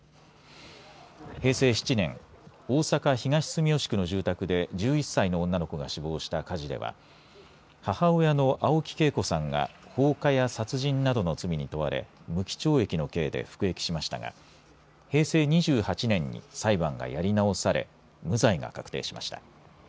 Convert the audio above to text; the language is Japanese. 平成７年大阪、東住吉区の住宅で１１歳の女の子が死亡した火事では母親の青木惠子さんが放火や殺人などの罪に問われ無期懲役の刑で服役しましたが平成２８年に裁判がやり直され無罪が確定しました。